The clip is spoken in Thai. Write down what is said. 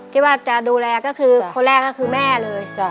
ที่จะดูแลก็คือคนแรกก็คือแม่เลย